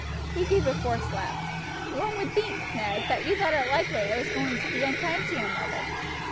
He gave a forced laugh. "One would think, Ned, that you thought it likely I was going to be unkind to your mother."